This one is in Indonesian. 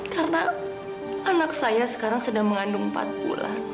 karena anak saya sekarang sedang mengandung empat bulan